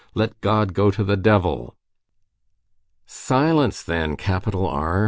Let God go to the devil!" "Silence then, capital R!"